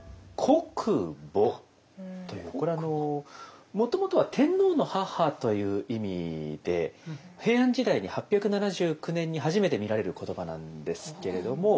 これはあのもともとは天皇の母という意味で平安時代に８７９年に初めて見られる言葉なんですけれども。